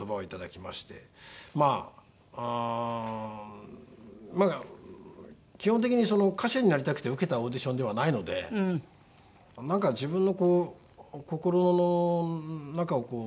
まあなんか基本的に歌手になりたくて受けたオーディションではないのでなんか自分のこう心の中を読まれちゃったっていう悔しさ。